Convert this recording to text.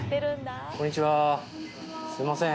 こんにちはすいません。